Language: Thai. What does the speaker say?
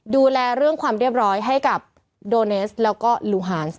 ดูแลเรื่องความเรียบร้อยให้กับโดเนสแล้วก็ลูฮาน